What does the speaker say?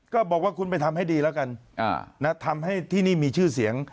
บอกว่าคุณไปทำให้ดีแล้วกันทำให้ที่นี่มีชื่อเสียง